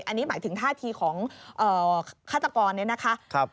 อันนี้หมายถึงท่าทีของฆาตกรเนี่ยนะคะ